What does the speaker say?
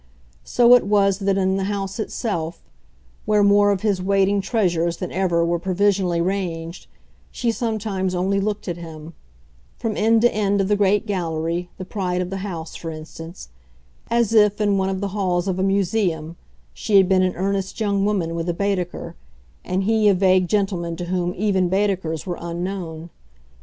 So it was that in the house itself, where more of his waiting treasures than ever were provisionally ranged, she sometimes only looked at him from end to end of the great gallery, the pride of the house, for instance as if, in one of the halls of a museum, she had been an earnest young woman with a Baedeker and he a vague gentleman to whom even Baedekers were unknown.